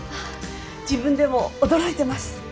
自分でも驚いてます。